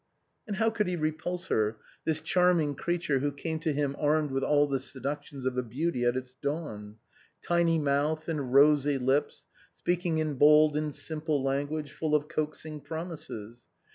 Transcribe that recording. And how could he repulse her, this charming creature who came to him armed with all the seductions of a beauty at its dawn? Tiny mouth and rosy lips, speaking in bold and simple language, full of coaxing promises.